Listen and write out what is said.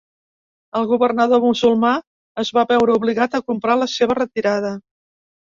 El governador musulmà es va veure obligat a comprar la seva retirada.